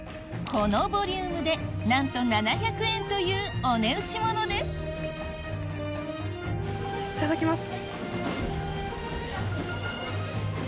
このボリュームでなんと７００円というお値打ちモノですいただきます。